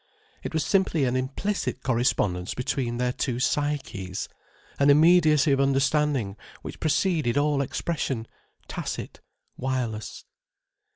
It was simply an implicit correspondence between their two psyches, an immediacy of understanding which preceded all expression, tacit, wireless.